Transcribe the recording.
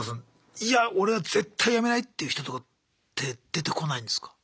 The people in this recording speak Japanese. いや俺は絶対辞めないっていう人とか出てこないんですか？